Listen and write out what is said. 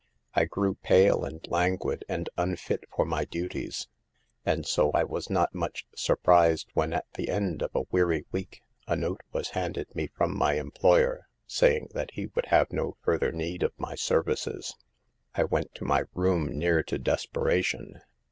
I grew pale and languid and unfit for my duties. And so I was not much surprised when, at the end of a weary week, a note was handed me from my employer, saying that he would have no fur ther need of my services. I went to my room near to desperation.